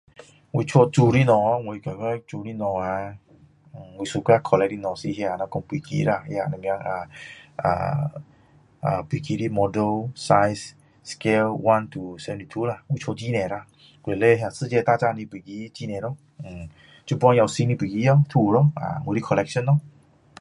我家漂亮的东西漂亮的东西我喜欢 collect 的东西是 coffee 机啦那个什么飞机的 model size scale one to two 啦我家里很多以前世界大战的飞机很对咯现在也有新的飞机都有咯我的 collection 咯